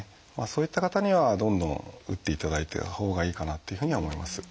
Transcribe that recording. そういった方にはどんどん打っていただいたほうがいいかなっていうふうには思います。